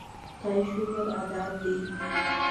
خدای شکر ادا کړ.